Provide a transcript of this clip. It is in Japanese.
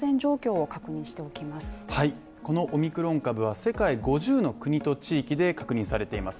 はい、このオミクロン株は世界５０の国と地域で確認されています。